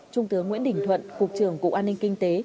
trung tướng nguyễn đình thuận cục trưởng cục an ninh kinh tế